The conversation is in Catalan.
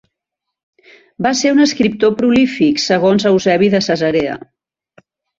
Va ser un escriptor prolífic, segons Eusebi de Cesarea.